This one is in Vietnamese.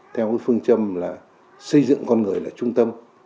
theo phương châm là xây dựng con người là trung tâm